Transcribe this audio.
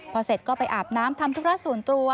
พอเสร็จก็ไปอาบน้ำทำธุระส่วนตัว